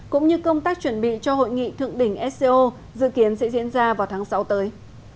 cũng như công tác chuẩn bị cho hội nghị thượng đỉnh sco dự kiến sẽ diễn ra vào tháng sáu tới